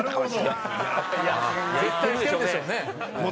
絶対してるでしょうね。